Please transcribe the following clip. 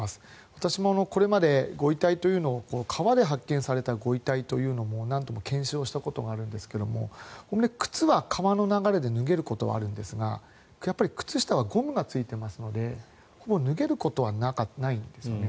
私もこれまでご遺体というのを川で発見されたご遺体というのを何度も検証したことがあるんですが靴は川の流れで脱げることはあるんですが靴下はゴムがついていますので脱げることはないんですよね。